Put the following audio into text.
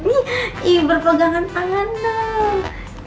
nih ihh berpegangan tangan dong